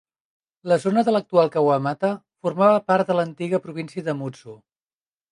La zona de l'actual Kawamata formava part de l'antiga província de Mutsu.